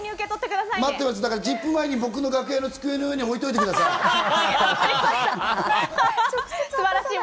『ＺＩＰ！』前に僕の楽屋の机の上に置いておいてください。